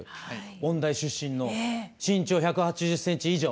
音大出身の身長１８０センチ以上。